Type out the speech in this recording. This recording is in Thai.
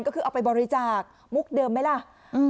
ก็คือเอาไปบริจาคมุกเดิมไหมล่ะ